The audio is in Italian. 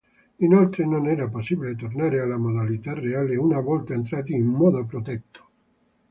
Inoltre non era possibile tornare alla modalità reale una volta entrati in modo protetto.